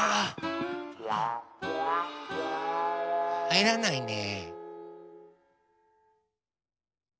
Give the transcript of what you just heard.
はいらないね。